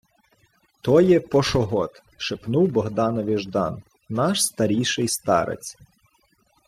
— То є Пошогод, — шепнув Богданові Ждан. — Наш старійший старець.